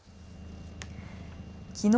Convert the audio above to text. きのう